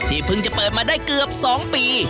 ที่เพิ่งจะเปิดมาได้เกือบสองปี